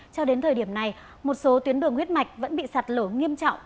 cho đến thời điểm này một số tuyến đường huyết mạch vẫn bị sạt lở nghiêm trọng